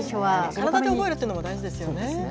それだけ覚えるっていうのも大事ですよね。